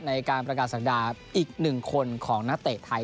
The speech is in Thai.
ในการประกาศดราอีกหนึ่งคนของนาตาเลไทย